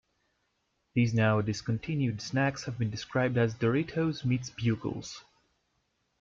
These now discontinued snacks have been described as "Doritos-meets-Bugles".